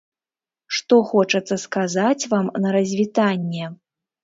Што хочацца сказаць вам на развітанне.